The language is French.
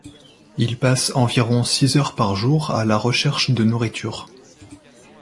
Il passe environ six heures par jour à la recherche de nourriture.